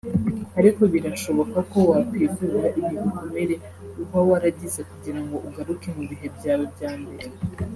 " Ariko birashoboka ko wakwivura ibi bikomere uba waragize kugirango ugaruke mu bihe byawe bya mbere